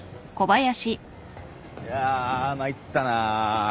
いやぁ参ったな。